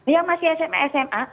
yang masih sma sma